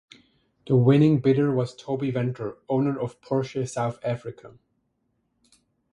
The winning bidder was Toby Venter, owner of Porsche South Africa.